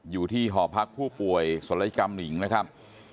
อยู่ที่หอพักผู้ป่วยศัลยกรรมหญิงนะครับ